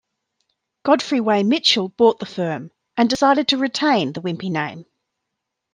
Godfrey Way Mitchell bought the firm and decided to retain the Wimpey name.